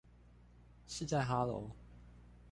是在哈囉？